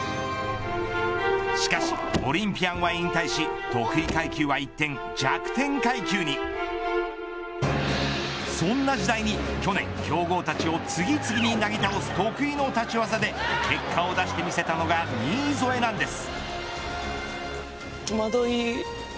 しかし、オリンピアンは引退し得意階級は一転、弱点階級にそんな時代に、去年競合たちを次々になぎ倒す得意の立ち技で結果を出してみせたのが新添なんです。